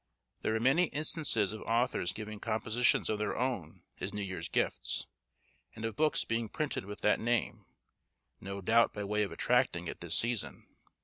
There are many instances of authors giving compositions of their own as New Year's Gifts, and of books being printed with that name, no doubt by way of attracting at this season.